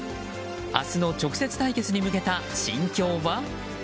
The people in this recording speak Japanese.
明日の直接対決に向けた心境は？